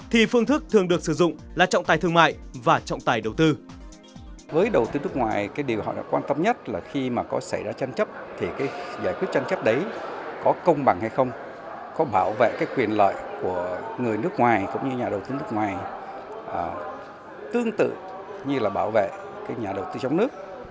thì phương thức thường được sử dụng là trọng tay thương mại và trọng tay đầu tư